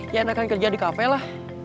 ya enakan kerja di kafe lah